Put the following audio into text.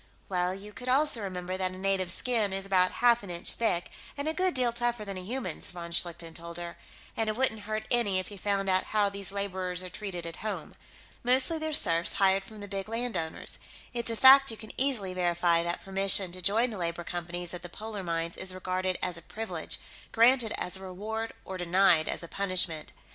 "Well, you could also remember that a native's skin is about half an inch thick, and a good deal tougher than a human's," von Schlichten told her. "And it wouldn't hurt any if you found out how these laborers are treated at home. Mostly they're serfs hired from the big landowners; it's a fact you can easily verify that permission to join the labor companies at the polar mines is regarded as a privilege, granted as a reward or denied as a punishment.